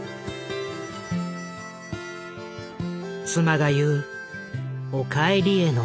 妻が言う「お帰り」への憧れ。